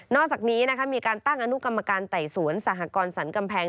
อกจากนี้มีการตั้งอนุกรรมการไต่สวนสหกรสรรกำแพง